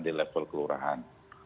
di level kelurahan